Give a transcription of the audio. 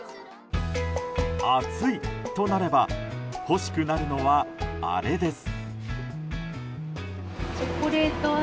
暑いとなれば、欲しくなるのはあれです。